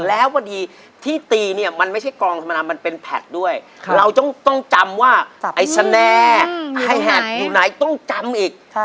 แล้วพอดีที่ตีเนี่ยมันไม่ใช่กองธรรมดามันเป็นแพทด้วยเราต้องจำว่าไอ้สนไฮแฮดอยู่ไหนต้องจำอีก